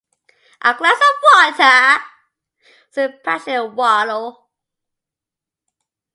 ‘A glass of water!’ said the passionate Wardle.